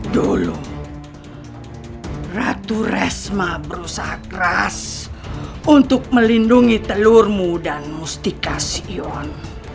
dulu ratu resma berusaha keras untuk melindungi telurmu dan mustikasi ion